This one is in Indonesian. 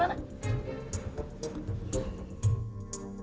ya enggak ada camanya